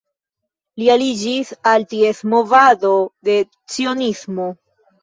Li aliĝis al ties movado de Cionismo.